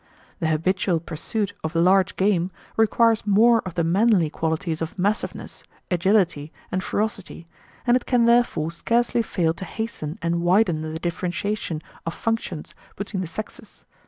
The habitual pursuit of large game requires more of the manly qualities of massiveness, agility, and ferocity, and it can therefore scarcely fail to hasten and widen the differentiation of functions between the sexes.